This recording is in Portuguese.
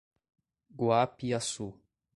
Guapiaçu